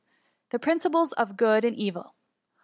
the principles of good and evil.